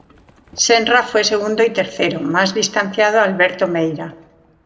Senra fue segundo y tercero, más distanciado Alberto Meira.